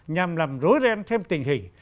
nhằm làm rối rẽ thêm tình hình